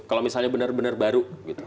kalau misalnya bener bener baru gitu